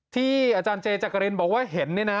ที่อาจารย์เจจักรินบอกว่าเห็นเนี่ยนะ